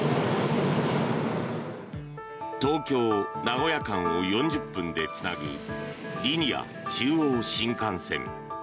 東京名古屋間を４０分でつなぐリニア中央新幹線。